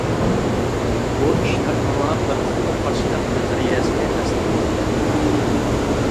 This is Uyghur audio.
بۇ ئىشلار ماڭا بىر خىل قارشىلىق نەزەرىيەسىنى ئەسلەتتى.